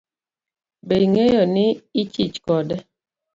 Be ing'eyo ni ichich kode?